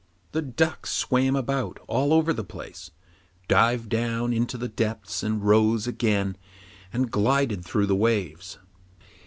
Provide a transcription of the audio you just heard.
The ducks swam about all over the place, dived down into the depths and rose again and glided through the waves.